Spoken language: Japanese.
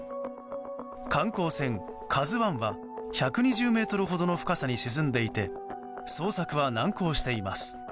観光船「ＫＡＺＵ１」は１２０ｍほどの深さに沈んでいて捜索は難航しています。